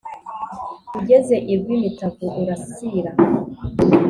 ugeze i rwimitavu urasira.